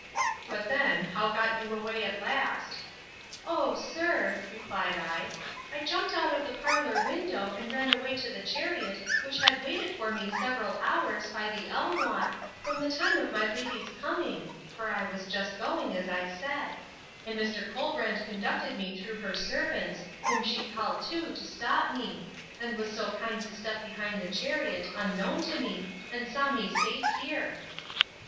But then, how got you away at last? O sir, replied I, I jumped out of the parlour window, and ran away to the chariot, which had waited for me several hours, by the elm walk, from the time of my lady's coming (for I was just going, as I said); and Mr. Colbrand conducted me through her servants, whom she called to, to stop me; and was so kind to step behind the chariot, unknown to me, and saw me safe here.